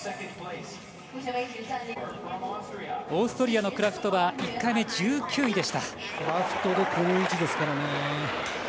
オーストリアのクラフトは１回目、１９位。